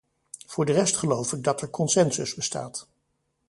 Voor de rest geloof ik dat er consensus bestaat.